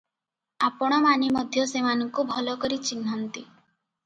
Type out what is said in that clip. ଆପଣମାନେ ମଧ୍ୟ ସେମାନଙ୍କୁ ଭଲକରି ଚିହ୍ନନ୍ତି ।